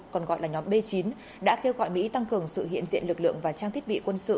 còn gọi là nhóm b chín đã kêu gọi mỹ tăng cường sự hiện diện lực lượng và trang thiết bị quân sự